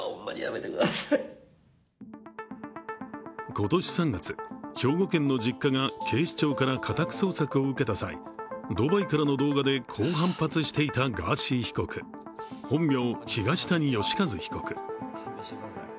今年３月、兵庫県の実家が警視庁から家宅捜索を受けた際ドバイからの動画でこう反発していたガーシー被告、本名、東谷義和被告。